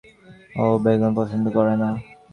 ও বেগুন পছন্দ করে না।